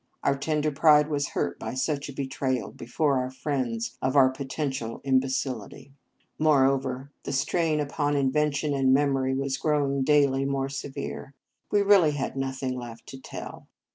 Our tender pride was hurt by such a betrayal, be fore our friends, of our potential im becility. Moreover, the strain upon In Our Convent Days invention and memory was growing daily more severe. We really had no thing left to tell.